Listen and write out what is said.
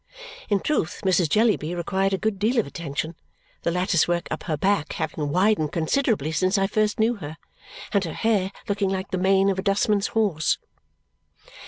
In truth Mrs. Jellyby required a good deal of attention, the lattice work up her back having widened considerably since I first knew her and her hair looking like the mane of a dustman's horse.